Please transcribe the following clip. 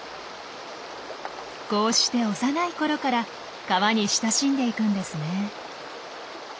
こうして幼いころから川に親しんでいくんですね。